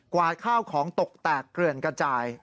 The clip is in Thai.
กวาดข้าวของตกแตกเกินกระต่าย